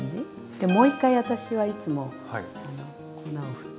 でもう一回私はいつも粉を振っております。